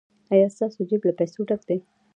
ایا ستاسو جیب له پیسو ډک دی؟